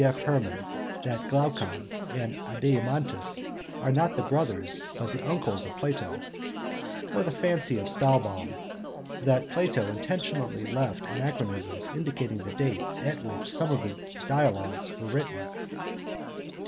F. Hermann, that Glaucon and Adeimantus are not the brothers but the uncles of Plato (cp. Apol. 34 A), or the fancy of Stallbaum that Plato intentionally left anachronisms indicating the dates at which some of his Dialogues were written.